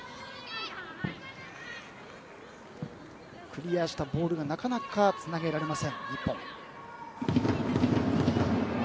クリアしたボールをなかなかつなげられません、日本。